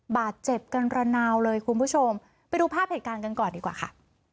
บาดเจ็บกันระนาวเลยคุณผู้ชมไปดูภาพเหตุการณ์กันก่อนดีกว่าค่ะ